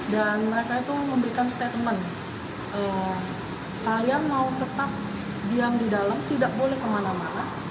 dan mereka itu memberikan statement kalian mau tetap diam di dalam tidak boleh kemana mana